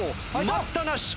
待ったなし！